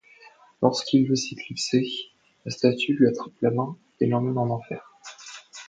Lorsqu'il veut s'éclipser, la statue lui attrape la main et l'emmène en enfer.